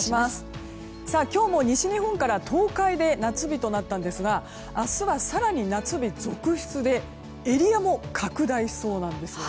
今日も西日本から東海で夏日となったんですが明日は更に夏日続出でエリアも拡大しそうなんです。